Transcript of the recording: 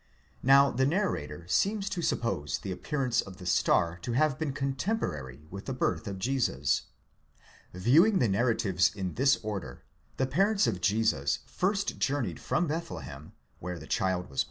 Now the narrator seems to suppose the appearance of the star to have been. cotemporary with the birth of Jesus. Viewing the narratives in this order, the parents of Jesus first journeyed from LDethlehem, where the child was.